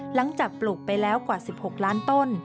หลังจากปลูกไปแล้วกว่า๑๖ล้านต้น